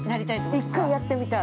◆一回やってみたい。